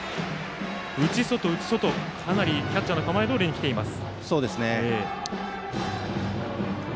内、外、内、外とキャッチャーの構えどおりに来ています。